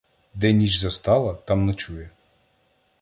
Де ніч застала, там ночує.